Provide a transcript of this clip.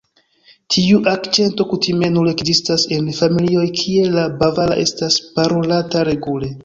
Tiu akĉento kutime nur ekzistas en familioj kie la bavara estas parolata regule.